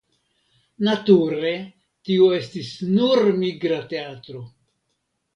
Nature tio estis nur migra teatro.